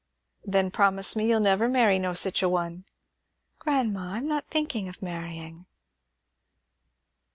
"Then promise me you'll never marry no sich a one." "Grandma, I'm not thinking of marrying."